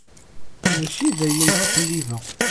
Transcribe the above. Mačči d ayen ttqellibeɣ.